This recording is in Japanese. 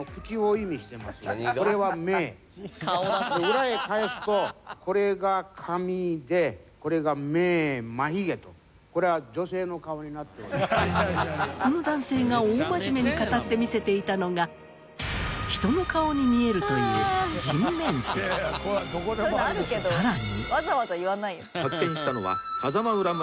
裏へ返すとこの男性が大真面目に語ってみせていたのが人の顔に見えるというさらに。